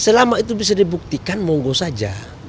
selama itu bisa dibuktikan monggo saja